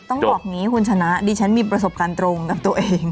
ต้องบอกอย่างนี้คุณชนะดิฉันมีประสบการณ์ตรงกับตัวเอง